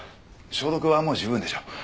消毒はもう十分でしょう。